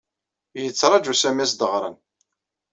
Yettaṛaju Smi ad as-d-ɣren.